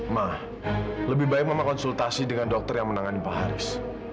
mah lebih baik mama konsultasi dengan dokter yang menangani pak haris